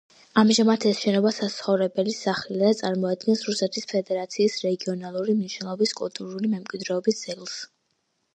ამჟამად ეს შენობა საცხოვრებელი სახლია და წარმოადგენს რუსეთის ფედერაციის რეგიონალური მნიშვნელობის კულტურული მემკვიდრეობის ძეგლს.